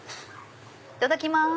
いただきます！